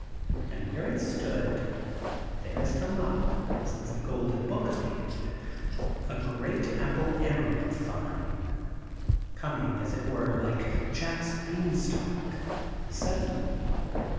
And where it stood, there has come up, since The Golden Book appeared, a great Apple Amar anth Vine, coming as it were, like Jack 's bean stalk, suddenly.